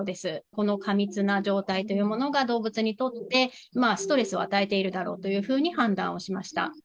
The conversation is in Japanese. この過密な状態というものが、動物にとって、ストレスを与えているだろうというふうに判断をしました。